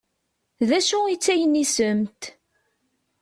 D acu i d taynisemt?